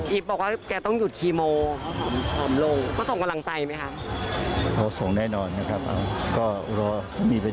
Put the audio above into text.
เท่าทุกวันนะครับ